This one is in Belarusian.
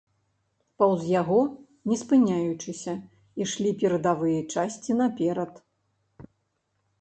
Паўз яго, не спыняючыся, ішлі перадавыя часці наперад.